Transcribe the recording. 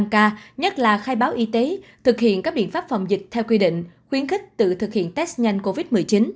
và nhất là khai báo y tế thực hiện các biện pháp phòng dịch theo quy định khuyến khích tự thực hiện test nhanh covid một mươi chín